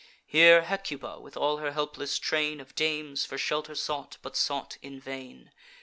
Here Hecuba, with all her helpless train Of dames, for shelter sought, but sought in vain.